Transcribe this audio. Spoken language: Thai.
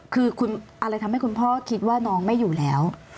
คืออะไรทำให้คุณพ่อคิดว่าน้องไม่อยู่แล้ว